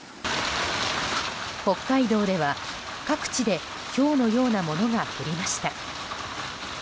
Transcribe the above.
北海道では各地でひょうのようなものが降りました。